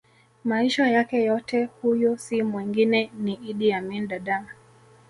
maisha yake yote Huyo si mwengine ni Idi Amin Dada